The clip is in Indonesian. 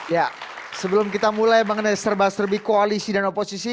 ya sebelum kita mulai mengenai serba serbi koalisi dan oposisi